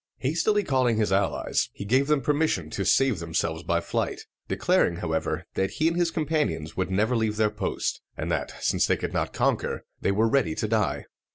Hastily calling his allies, he gave them permission to save themselves by flight, declaring, however, that he and his companions would never leave their post, and that, since they could not conquer, they were ready to die.